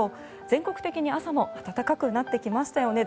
全国的に朝も暖かくなってきましたよね。